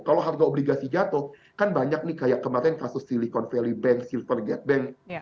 kalau harga obligasi jatuh kan banyak nih kayak kemarin kasus silicon valley bank silver getbank